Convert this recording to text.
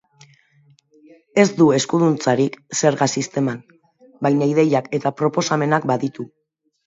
Ez du eskuduntzarik zerga sisteman, baina ideiak eta proposamenak baditu.